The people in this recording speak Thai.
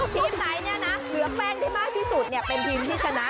กรอบสมบัตินั่นเเต็มที่ซึ่งมากที่สุดเนี่ยเป็นทีมที่ชนะ